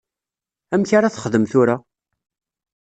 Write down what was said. Amek ara texdem tura?